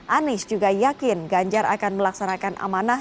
anies juga yakin ganjar akan melaksanakan amanah